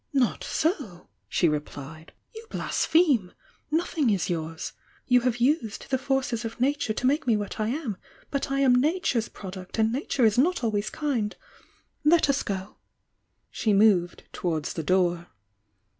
"Not so," she replied. "You blaspheme! Noth ing is yours. You have used the forces of Nature to make me what I am, — but I am Nature's product, and Nature is not always kiud ! Let us go !" She moved towards the door.